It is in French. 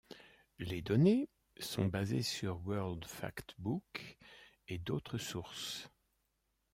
Les données sont basées sur World Factbook et d'autres sources.